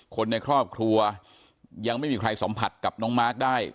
คนในครอบครัวยังไม่มีใครสัมผัสกับน้องมาร์คได้